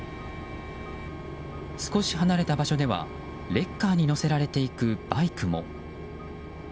少し離れた場所では、レッカーに載せられていくバイクも。